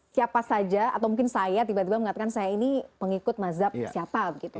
siapa saja atau mungkin saya tiba tiba mengatakan saya ini pengikut mazhab siapa gitu